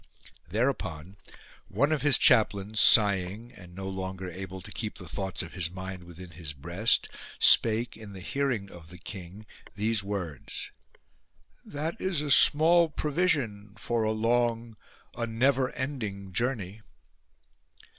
63 APPOINTMENT OF A BISHOP Thereupon one of his chaplains, sighing, and no longer able to keep the thoughts of his mind within his breast, spake in the hearing of the king these words :" That is a small provision for a long, a never ending journey."